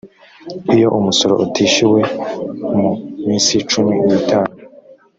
iyo umusoro utishyuwe mu minsi cumi n itanu